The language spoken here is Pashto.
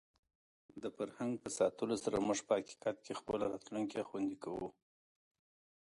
د فرهنګ په ساتلو سره موږ په حقیقت کې خپله راتلونکې خوندي کوو.